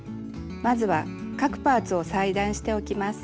まずは各パーツを裁断しておきます。